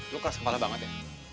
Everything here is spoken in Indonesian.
lu keras kepala banget ya